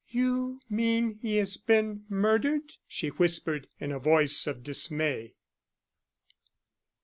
"You mean he has been murdered?" she whispered, in a voice of dismay.